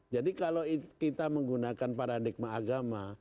jadi kalau kita menggunakan paradigma agama